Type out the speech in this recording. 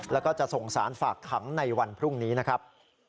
แล้วก็จะส่งสารฝากขังในวันพรุ่งนี้นะครับ